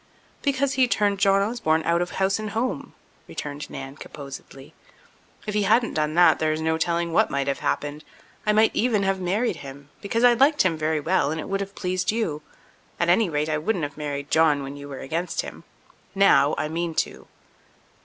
"Because he turned John Osborne out of house and home," returned Nan composedly. "If he hadn't done that there is no telling what might have happened. I might even have married him, because I liked him very well and it would have pleased you. At any rate, I wouldn't have married John when you were against him. Now I mean to."